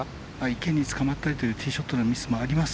池につかまったりというティーショットのミスがあります。